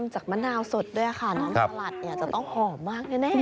จากมะนาวสดด้วยค่ะน้ำสลัดเนี่ยจะต้องหอมมากแน่